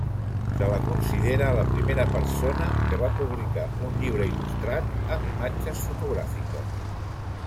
Se la considera la primera persona que va publicar un llibre il·lustrat amb imatges fotogràfiques.